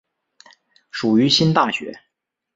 属于新大学。